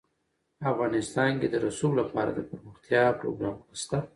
افغانستان کې د رسوب لپاره دپرمختیا پروګرامونه شته.